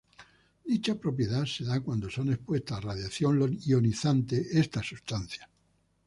Dicha propiedad se da cuando son expuestas a radiación ionizante estas sustancias.